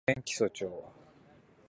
長野県木曽町